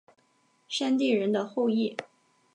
山地人的后裔。